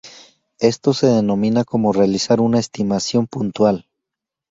Esto se denomina como realizar una estimación puntual.